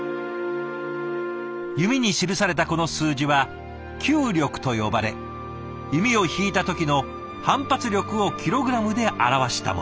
弓に記されたこの数字は弓力と呼ばれ弓を引いた時の反発力をキログラムで表したもの。